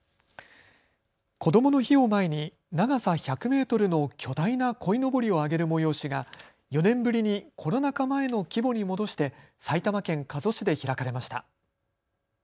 こどもの日を前に長さ１００メートルの巨大なこいのぼりを揚げる催しが４年ぶりにコロナ禍前の規模に戻して埼玉県加須市で開かれました。